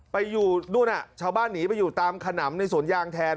ไปอยู่นู่นชาวบ้านหนีไปอยู่ตามขนำในสวนยางแทน